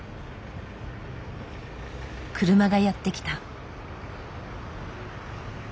車がやって来た。